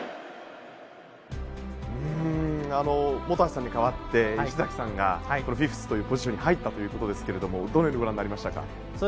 本橋さんに代わって石崎さんがフィフスというポジションに入ったということですけどどのようにご覧になりましたか。